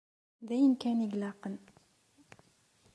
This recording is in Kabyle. D ayen kan i ilaqen.